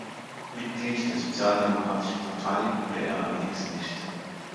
Mitglied der Sozialdemokratischen Partei wurde er allerdings nicht.